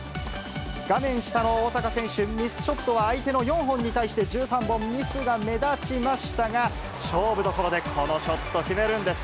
画面下の大坂選手、ミスショットは相手の４本に対して、１３本、ミスが目立ちましたが、勝負どころでこのショット決めるんです。